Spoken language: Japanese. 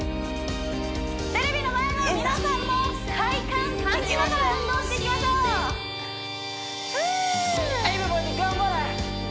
テレビの前の皆さんも快感感じながら運動していきましょうふＥｖｅｒｙｂｏｄｙ頑張れ！